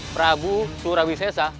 prabu surawi sesa